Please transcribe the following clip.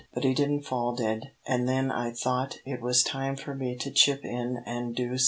But he didn't fall dead, an' then I thought it was time for me to chip in an' do somethin'.